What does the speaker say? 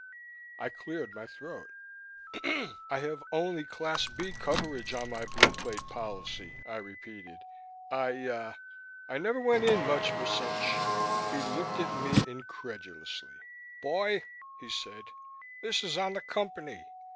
I cleared my throat. "I have only Class B coverage on my Blue Plate policy," I repeated. "I, uh, I never went in much for such " He looked at me incredulously. "Boy," he said, "this is on the Company.